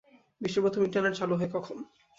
বিশ্বে প্রথম ইন্টারনেট চালু হয় কখন?